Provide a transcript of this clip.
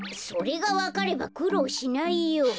それがわかればくろうしないよ。